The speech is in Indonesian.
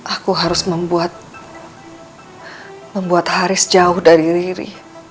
aku harus membuat membuat haris jauh dari riri